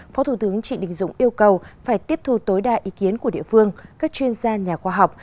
phó thủ tướng trị đình dũng yêu cầu phải tiếp thu tối đa ý kiến của địa phương các chuyên gia nhà khoa học